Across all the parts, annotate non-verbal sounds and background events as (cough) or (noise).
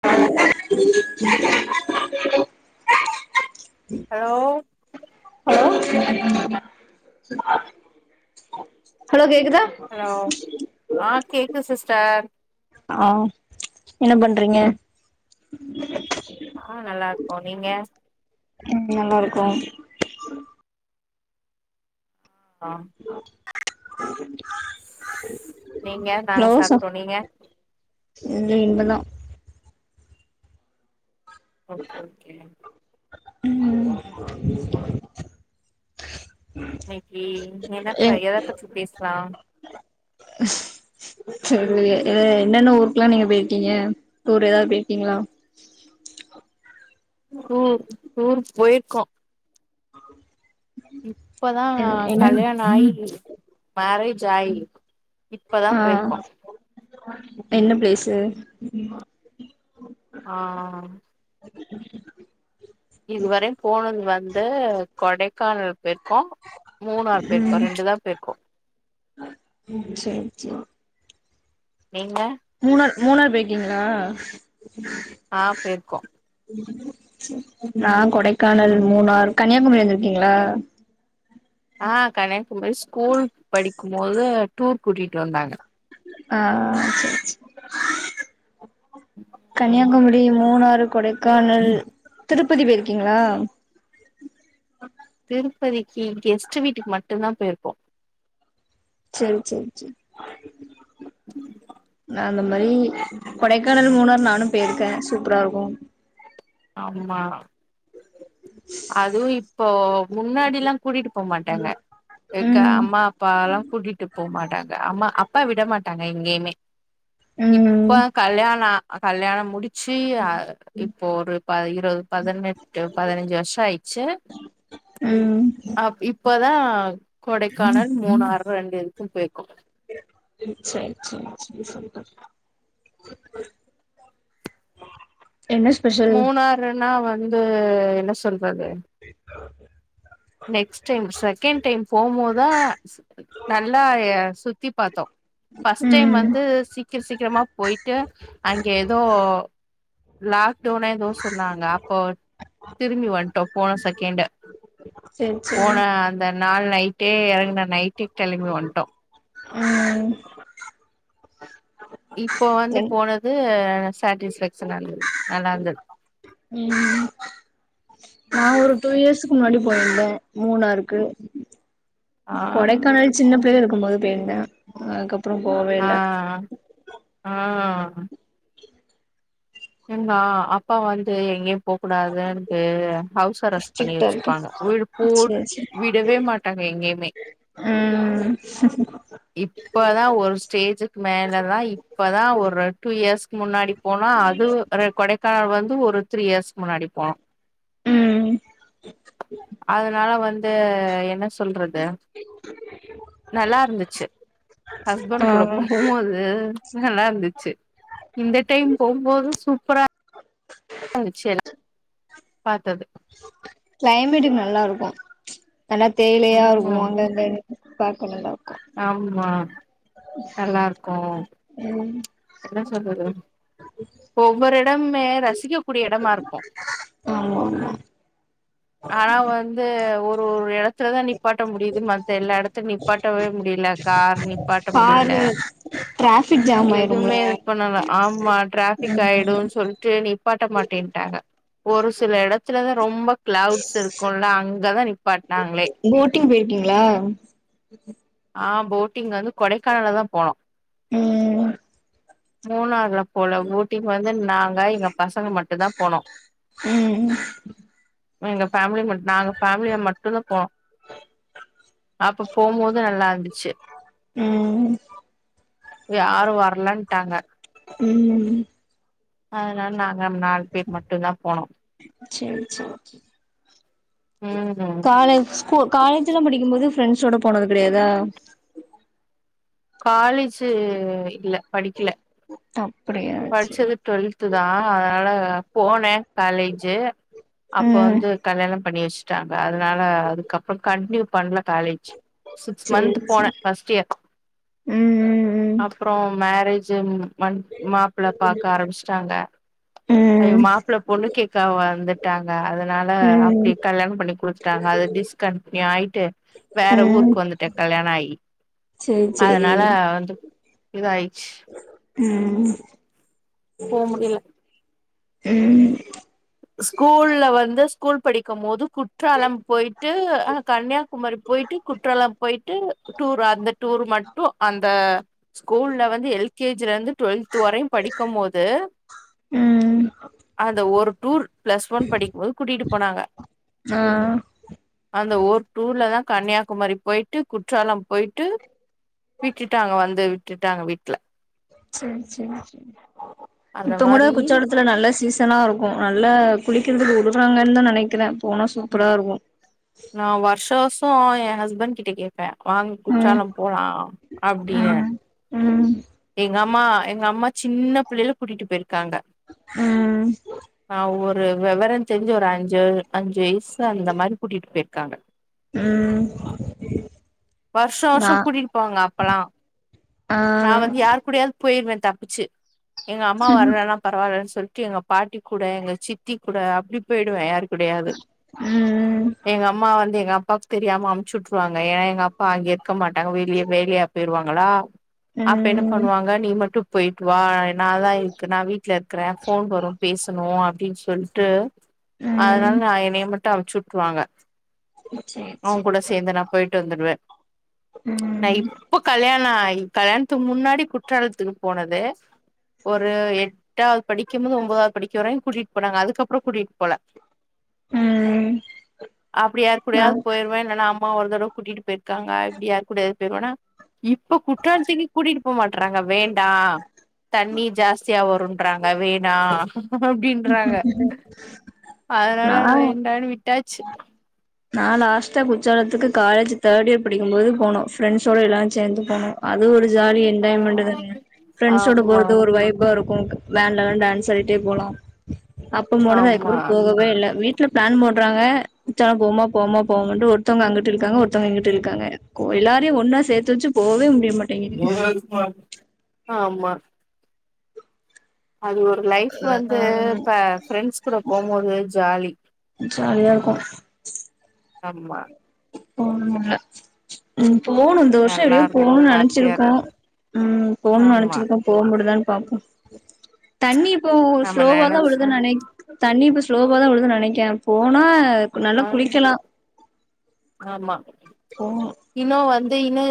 (unintelligible) hello (unintelligible) hello கேக்குதா hello ஆ கேக்குது சிஸ்டர் ஆ என்ன பண்றீங்க ஆ நல்லா இருக்கோ நீங்க உம் நல்லா இருக்கோ ஆ நீங்க நாங்க க்ளோஸ்சா சாப்ட்டோ நீங்க லே இன்மேதா ஓகே ஓகே உம் இன்னிக்கு எதப்ப எங் எதபத்தி பேசலா (unintelligible) என்னென்ன ஊருக்கெல்லா நீங்க போயிருக்கீங்க டூர் ஏதாவத் போயிருக்கீங்களா ம் ஊருக் போய்ருக்கோ இப்பதா என்னன் கல்யாண் ஆயி மேரேஜ் ஆயி இப்பதா ஆ போயிருக்கோ என்ன ப்ளேஸ்சு ஆ இதுவரையு போனத் வந்து கொடைக்கானல் போய்ருக்கோ மூணாறு போய்ருக்கோ ரெண்டு தா போய்ருக்கோம் ம் சேர் சேர் நீங்க மூணார் மூணார் பேயிருக்கிங்களா ஆ போய்ருக்கோ நா கொடைக்கானல் மூணார் கன்னியாகுமரி வந்திருக்கீங்களா ஆ கன்னியாகுமரி ஸ்கூல் படிக்கும்போது டூர் கூட்டிட்டு வந்தாங்க ஆ ம் கன்னியாகுமரி மூணாறு கொடை க்கானல் திருப்பதி போய்ருக்கீங்களா திருப்பதிக்கு கெஸ்ட்டு வீட்டுக் மட்டுதா போயிருக்கோ சேரி சேரி சேரி (inaudible) நா அந்த மாரி கொடைக்கானல் மூணாரு நானு போயிருக்கே சூப்பரா இருக்கு அம்மா (inaudible) அதுவு இப்போ முன்னாடில்லா கூட்டிட் போமாட்டாங்க இருக்க ம் அம்மா அப்பாலா கூட்டிட்டு போமாட்டாங்க அம்மா அப்பா விட மாட்டாங்க எங்கேயுமே இப்ப ம் கல்யாணா கல்யாண முடிச்சு அ இப்போ ஒரு ப இருவத் பதனெட்டு பதனஞ்சு வருஷ ஆயிட்ச்சு ம் அப் இப்பதா கொடைக்கானல் மூணாறுகு ரெண்டு இதுக்கு போய்ருக்கோ சேரி சேரி சேரி சேர் சேரி என்னஸ் மூணாறுனா வந்து என்ன சொல்றது நெக்ஸ்ட் டைம் செகண்ட் டைம் போம்போதா நல்லா எ சுத்தி பாத்தோ ஃபர்ஸ்ட் டைம் ம் வந் து சீக்கிர சீக்கிரமா போயிட்டு அங்க ஏதோ லாக்டோனு எதோ சொன்னாங்க அப்போ திரும்பி வன்ட்டோ போன செகண்ட்டு சேரி போன சேரி அந்த நாள் நைட்டே இறங்கன நைட்டே கெளம்பி வன்ட்டோ ம் இப்போ வந்து என் போனது சாட்டிஸ்ஃபேக்ஷனா இருந்து நல்லா இருந்துது ம் நா ஒரு டூ இயர்ஸ்கு முன்னாடி போயிருந்தே மூனாருக் ஆ கொடைகானல் சின்ன பிள்ள இருக்கும் போது பேய்ருந்த அதுகப் ஆ ஆ நா அப்பா வந்து எங்க போக கூடாது எனக்கு ஹவுஸ் அரெஸ்ட் பண்ணி ஸ்ட்ரிக்டா இருக்கு வெச்சிருப்பாங்க வீடு பூட் சேரி சேரி விடவே மாட்டாங்க எங்கயுமே ம் இப்பதா ஒரு ஸ்டேஜூக்கு மேலதா இப்பதா ஒரு டூ இயர்ஸ்க்கு முன்னாடி போனா து அ கொடைக்கானல் வந்து ஒரு த்ரீ இயர்ஸ் முன்னாடி போனோ ம் அதனால வந்து என்ன சொல்றது நல்லாருந்துச்சு ஹஸ்பண்ட் கூட ஆ போம்போது நல்லாருந்துச்சு இந்த டைம் போகும்போது சூப்பரா (unintelligible) பத்தது க்ளைமேட்டுக்கு நல்லாருக்கு எல்லா தேயிலையா இருக்கு ம் அங்கங்க பாக்க நல்லாருக்கு ஆமா நல்லாருக்கு ம் என்ன சொல்றது ஒவ்வொரு எடமுமே ரசிக்கக்க கூடிய எடமா இருக்கு ஆமா ஆமா ஆனா வந்து ஒரு ஒரு எடத் த்துலதா நிப்பாட்ட முடியுது மத்த எல்லா எடத்து நிப்பாட்டவே முடியல கார் நிப்பாட்ட முடியல டிராபிக் ஜாம் ஆயிரும்ல பிக் ம் ம் ஆயிடுன் சொல்ட்டு நீப்பாட்ட மாட்டேன்ட்டாங்க ஒரு சில எடத்துலதா ரொம்ப கிளவுட்ஸ் இருக்குல்லா அங்கதா நிப்பாட்டனாங்களே ட்டி போயிருக்கீங்ளா ஆ போட்டிங் வந்து கொடைக்கானல்லதா போனோ ம் மூணார்லா போல ஊட்டிக்கு வந்து நாங்க எங்க பசங்க மாட்டுந்தா போனோ ம் எங்க பேமிலி மட்டு நாங்க பேமிலியா மட்டுந்தா போனோ அப்ப போ நல்லாருந்துச்சு ம் யாரு வர லன்டாங்க ம் அதனால நாங்க நாலு பேர் மட்டுந்தா போனோ சேரி சேரி ம் காலேஜ் காலேஜ்லா படிக்கும் போது ஃப்ரெண்ட்ஸ்ஸோட போனது கெடையாதா காலேஜு இல்ல படிக்கல அப்டியா சேரி டுவெல்த்துதா அதனால நா போனே காலேஜு அப்போ ம் வந்து கல்யாணம் பண்ணி வெச்சு டாங்க அதனால அதுக்கப்றோ கண்டினியூ பண்ல காலேஜ் சிக்ஸ் மந்த் சேரி போன சேரி ஃபர்ஸ்ட் இயர் ம் அப்றோ மேரேஜ் ம் மன் மாப்ள்ள பாக்க ஆரம்பிச்சுட்டாங்க ம் அயோ ம் மாப்பிள்ள பொண்ணு கேக்கா வந்துட்டாங்க அதனால டி ம் கல்யாண பண்ணி குடுத்துட்டாங்க டிஸ்கண்டியூ ஆயிட்டு வேற ம் ம் ஊருக்கு வந்துட்டே கல்யாண ஆகி சேரி சேரி அதனால வந்து இதாயிச்சு ம் போ முடியல ம் ஸ்கூல்ல வந்து ஸ்கூல் படிக்கும் போது குற்றாலம் போயிட்டு அஹா கன்னியாகுமரி போயிட்டு குற்றாலம் போயிட்டு டூர் அந்த டூர் மட்டு அந்த ஸ்கூல்ல வந்து எல்கேஜிலருந்து டுவெல்த் வரையு படிக்கும்போது ம் அந்த ஒரு டூ பிளஸ் ஒன் படிக்கும்போது கூட்டிட்டு போனாங்க ஆ அந்த ஒரு டூர்ல தா கன்னியாகுமரி போயிட்டு குற்றாலம் போயிட்டு விட்டுட்டாங்க வந்து விட்டுட்டாங்க வீட்ல சரி சரி அந்த சரித்தங்கோட மாரி குச்சாடு த்துல நல்ல சீசனா இருக்கும நல்லா குளிக்கிறதுக்கு விடுறாங்கன்னு தா நெனைக்கிறே போனா சூப்பரா இருக்கு நா வருஷ வருஷ ஏ ஹஸ்பண்ட் கிட்ட கே பே வாங்க ம் குற்றாலம் போலா அப்படின்னு ம் ம் எங்கம்மா எங்க அம்மா சின்ன பிள்ளைல கூட்டிட்டு போயிருக்காங்க ம் ஆ ஒரு விவரம் தெரிஞ்சு ஒரு அஞ்சு அஞ்சு வயசு அந்த மாரி கூட்டிட்டு போயிரு காங்க ம் வருஷ வருஷ நா கூட்டிட்டு போவாங்க அப்பல்லா ஆ நா வந்து யாரு கூடயாது போயிருவே தப்பிச்சு எங்க அம்மா வர்றனா பரவாயில்லன்னு சொல்லிட்டு எங்க பாட்டி கூட எங்க சித்தி கூட அப்டி போயிடுவே யாரு கூடையாது ம் எங்க அம்மா வந்து எங்க அப்பாவுக்கு தெரியாம அமுச்சுட்டுருவாங்க ஏன்னா எங்கப் ப்பா அங்க மாட்டாங்க வெளிய வேலையா போயிருவாங்களா அப்ப என்ன ம் பண்ணுவாங்க நீ மட்டு போயிட்டு வா நாதா இருக்கு நா வீட்ல இருக்கறே போன் வரு பேசணு அப்டின்னு சொல்ட்டு அதனால ம் நா இனைய மட் ட்டு அவச்சுட்டுவாங்க சேரி அவன் சேரி கூட சேந்து நா போயிட்டு வந்துருவே நா ம் இப்போ கல்யாண ஆயி கல்யாணத்துக்கு முன்னாடி குற்றாலத்துக்கு போனது ஒரு எட்டாவது படிக்கும்போது ஒம்போதாவது படிக்கும் வரையு கூட்டிட்டு போனாங்க அதுக்கப்பற கூட்டிட்டு போல ம் அப்டி யார் நா கூடயாது போயிருவே இல்லனா அம்மா ஒரு தடவ கூட்டிட்டு போயிருக் காங்க இப்டி யார் கூடயாது போயிர்வேனா இப்ப குற்றாலத்துக்கே கூட்டிட்டு போ மாட்றாங்க வேண்டா தண்ணி ஜாஸ்தியா வரும்ன்றாங்க வேணா அப்டின் றாங்க அதனால நா வேண்டான்னு விட்டாச்சு நா லாஸ்ட்டா குற்றாலத்துக்கு காலேஜ் தேர்ட் இயர் படிக்கும்போது போனோ ஃப்ரெண்ட்ஸோட எல்லாரு சேந்து போனோ அது ஒரு ஜாலி ஆ என்ஜாய்மெண்ட் தான ப்ரெண்ட்ஸோட ஆமா போறது ஒரு வைபாருக்கு வேன்லலா டான்ஸ் ஆடிட்டே போலாம் அப்பம் போனது அதுக்கப்றம் போகவே இல்ல வீட் ட்ல பிளான் போற்றாங்க குற்றாலம் போமா போமா போவன்ட்டு ஒருத்தவங்க அங்கட்டு இழுக்காங்க ஒருத்தவங்க இங்கட்டு இழுக்காங்க கோ எல்லாரையு ஒன்னா சேத்து வச்சு போவே முடியமாட் (unintelligible) ஆமா அது ஒரு லைஃப் ஆ வந்து இப்ப ஃப்ரெண்ட்ஸ் கூட போம்போது ஜாலி ஜாலியாருக்கு ஆமா போவ்னுமா ம் போணுந் இந்த வருஷோ நல்லா எப்டியோ இருக்கு போன்னு ஹாப்பியா நெனச்சிருக்கோ இருக்கு ம் போன்னு ஆமா நெனச்சிருக்கோ போ முடிதான்னு பாப்போ தண்ணி இப்போ நம்ம ஸ்லோவா தா நெனச்சா உழுதுன்னு நெனைக் தண்ணி இப்ப ஸ்லோவா தா விழுதுன்னு நெனைக்கே போனா நல்லா ஆ குளிக்கலா ஆமா போனு இன்னு வந்து இன்னு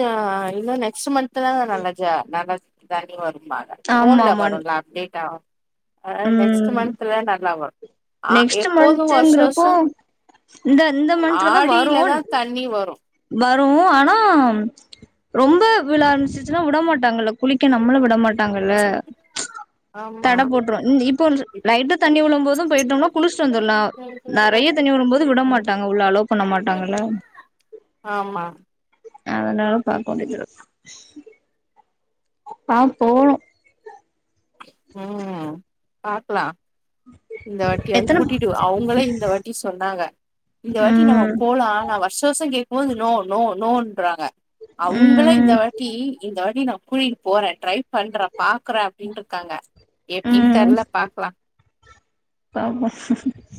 இன்னு நெக்ஸ்ட்டு மன்ந்த்தான் நல்ல ஜா நல்லா தண்ணி வரும்பாங்க ஆமா ஃபோன் ல ஆமா வொக்கருல்ல அப்டேட் ஆவு அ நெக்ஸ்ட்டு ம் மன்த்தல நல்லா வரு ஆ நெக்ஸ்ட் எப்போதும் வருஷ மந்த்ங்கிறப்போ வருஷோ இந்த இந்த மன்த்துல தா ஆடியிலதா வருன் தண்ணி வரு வரு ஆனா ரொம்ப விழ ஆரம்பிச்சி சின்னா விடமாட்டாங்கள குளிக்க நம்மள விடமாட் மாட்டங்கள ஆமா தட போட்ரு இ இப்போ லைட்டா தண்ணி விழும் போது போயிட்டம்னா குளிச்ட்டு வந்துரலா நெறைய தண்ணி விழும் போது விட மாட்டாங்க உள்ள ஆலோவ் பண்ண மாட்டாங்கல்ல ஆமா அதனால பாக்க வேண்டிதாருக்கு பாப்போனு ம் பாக்லா இந்த வாட்டி வந்து எத்தன கூட்டிட்டு அவுங்களே இந்த வாட்டி சொன்னாங்க இந்த வாட்டி நம்ம ம் போலா நா வர்ஷ வர்ஷ கேக்கும் போது நோ நோ நோன்றாங்க அவுங்களே ம் இந்த வாட்டி இந்த வாட்டி நா கூட்டிடு போறே ட்ரை பண்றே பாக்குற அப்டின்ட்டு இருக்காங்க எப்டின் ம் தெர்ல பாக்கலா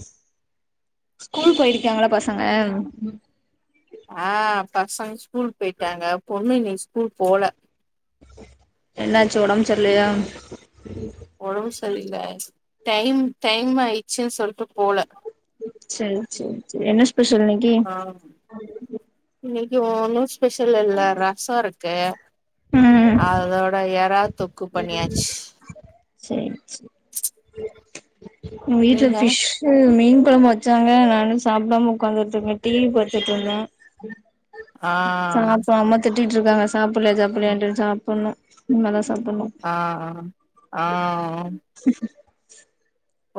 (unintelligible) ஸ்கூல் போயிருக்காங்களா பசங்க ஆ பசங்க ஸ்கூல் போயிட்டாங்க பொண்ணு இன்னைக்கு ஸ்கூல் போல என்னாச்சு உடம்பு சர்ல்லியா ஒடம்பு சரில்ல டைம் டைம் ஆயிச்சுன்னு சொல்ட்டு போல சரி சரி சரி என்ன ஸ்பெஷல் இன்னைக்கி ஆ இன்னைக்கு ஒன்னு ஸ்பெஷல் இல்ல ரசோ இருக்கு ம் அதோட எறா தொக்கு பண்ணியாச்சு சேரி சே உ வீட்ல நீங்க ஃபிஷ் மீன் கொழம்பு வச்சாங்க நானு சாப்டாம உக்காந்துட்டுருக்கே டிவி பாத்துட்டுருந்தே ஆ சாப்பாம திட்டிட்டுருக்காங்க சாப்பலைய சாப்பலையன்ட்டு சாப்பன்னு இன்ம்மே தா சாப்பணு ஆ ஆ ஆ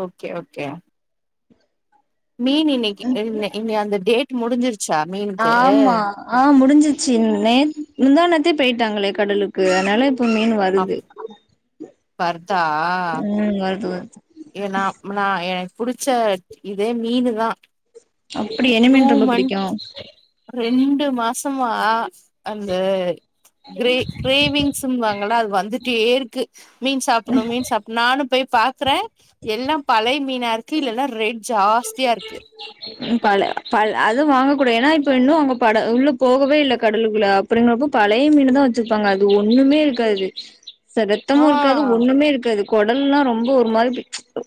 ஓகே ஓகே மீன் இன்னைக்கு இ அந்த டேட் முடிஞ்சிருச்சா மீன் ஆமா ஆ முடிஞ்சிச்சு நேத் முந்தாநேத்தே போயிட்டாங்களே கடலுக்கு அதனால மீனு அப் வருது வர்தா ம் வருது வருது ஏ நா நா எனக்கு புடிச்ச இதே மீனு தா அப்புடி என் டூ மந்த் ரெண்டு மாசமா அந்த கிரே கிரேவிங்ஸ்வாங்களா அது வந்துட்டே இருக்கு மீன் சாப்பட்ணு மீன் சாப்ணு நானு போய் பாக்குற எல்லா பழைய மீன் இருக்கு இல்லன்னா ரேட் ஜாஸ்தியா இருக்கு பழ ப அதுவு வாங்க கூடாது ஏன்னா இப்ப இன்னு அவங்க பட உள்ள போகவே இல்ல கடலுக்குள்ள அப்டிங்கிறப்போ பழைய மீன்தா வச்சிருப்பாங்க அது ஒண்ணுமே இருக்காது செரத்தமு ஆ இருக்காது ஒண்ணுமே இருக்காது குடல்லா ரொம்ப ஒரு மாதி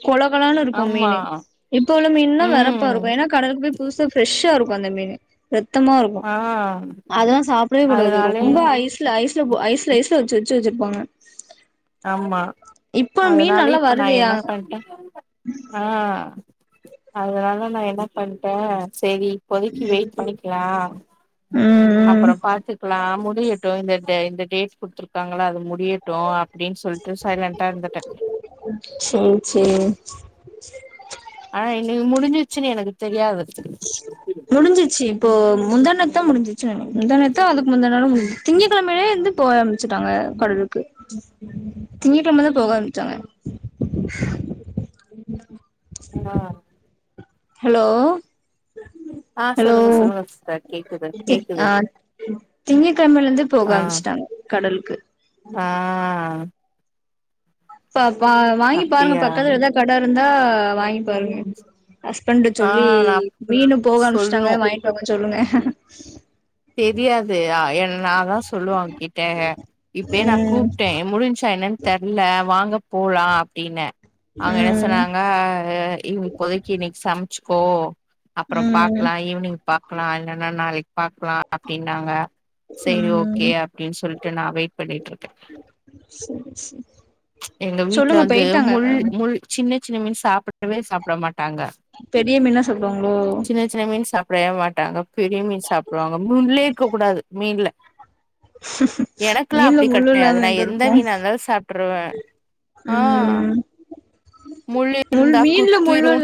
கொழகொழனு இருக்கு ஆமா மீனு இப்ப உள்ள மீன்ல்லா வெறப்பா ம் இருக்கு ஏன்னா கடலுக்கு போய் புதுசா ஃப்ரெஷ்ஷா இருக்கு அந்த மீனு ரத்தமா இருக்கு ஆ அதெல்லா சாப்டவே கூடாது அதனாலே ரொம்ப ஐஸ் ல ஐஸ்ல ஐஸ்ல ஐஸ்ல வச்சு வச்சு வச்சிருப்பாங்க ஆமா இப்ப மீன் அதனாலே நல்லா இப்ப நா வருதே என்ன பண்ற ஆ அதனால நா என்ன பண்ட சேரி பொதிக்கி வெயிட் பண்ணிக்லா ம் அப்றோ பாத்துக்கலா முடியட்டு இந்த இந்த டேட் குடுத்துருக்காங்கல்ல அது முடியட் டு அப்டின்னு சொல்ட்டு சைலண்டா இருந்துட்ட சரி சரி ஆனா இன்னைக்கு முடிஞ்சுச்சுன்னு எனக்கு தெரியாது முடிஞ்சிச்சு இப்போ முந்தா நேத்தா முடிசுச்சு முந்தாநேத்தா அதுக்கு முந்தாநாளோ முஞ்சு திங்கக்கெழமையே வந்து போக ஆரம்பிச்சுட்டாங்க கடலுக்கு திங்க கிழமதா போக ஆரம்பிச்சாங்க அ ஹலோ ஆ ஹலோ சொல்லுங்க சொல்லுங்க சிஸ்டர் கேக்குது கேக்குது ஆ திங்க கிழமல இருந்து போக ஆ ஆரம்பிச்சுட்டாங்க கடலுக்கு ஆ சோ அப்ப வாங்கி பாருங்க அப்டியா பக்கத்துல எதோ கட இருந்தா வாங்கி பாருங்க ஹஸ்பண்ட ஆ சொல்லி நா மீனு போக அம்ச்சுட்டாங்க சொல்லணு வாங்கிட்டு வாங்க சொல்லுங்க தெரியாது என் நா தா சொல்லுவ அவர் கிட்ட இப்பே நா ம் கூப்ட்ட முடிஞ்சா என்ன தெர்ல வாங்க போலா அப்டின்ன அவங்க என்ன ம் சொன்னாங்க இப்போதைக்கு இன்னைக்கு சமைச்சுக்கோ அப்பற பா ம் க்லா ஈவினிங் பாக்லா இல்லன்னா நாளைக்கு பாக்லா அப்டின்னாங்க சரி ஓகே ம் அப்டின்னு சொல்ட்டு நா வெயிட் பண்ணிட்டு இருக்க சரி சரி எங்க வீட்ல சொல்லுங்க வந்து முள் போயிட்டாங்க முள் சின்ன சின்ன மீன் சாப்டவே சாப்ட மாட்டாங்க பெரிய மீன்தா சாப்டுவாங்களோ சின்ன சின்ன மீன் சாப்டவே மாட்டாங்க பெரிய மீன் சாப்டுவாங்க முள்லே இருக்க கூடாது மீன்ல எனக்குலா மீன்ல அப்டி முள்ளு கெடையாது இல்லாம நா எங்க எந்த இருக்கு மீனா இருந்தாலு சாப்ட்ருவ ஆ ம் முள்ளு முள் இருந்தா மீன்ல குத்திரு முள்ளு